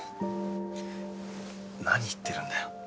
何言ってるんだよ。